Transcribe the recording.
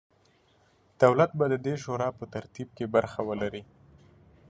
دولت به د دې شورا په ترتیب کې برخه ولري.